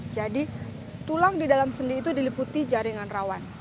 jadi tulang di dalam sendi itu diliputi jaringan rawan